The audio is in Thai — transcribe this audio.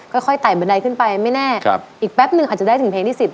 ค่อยไต่บันไดขึ้นไปไม่แน่อีกแป๊บนึงอาจจะได้ถึงเพลงที่๑๐